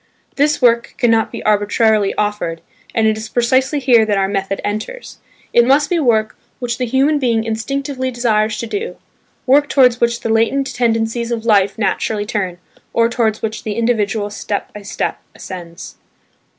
This work cannot be arbitrarily offered, and it is precisely here that our method enters; it must be work which the human being instinctively desires to do, work towards which the latent tendencies of life naturally turn, or towards which the individual step by step ascends.